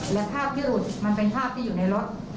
และภาพที่หลุดมันเป็นภาพที่อยู่ในรถ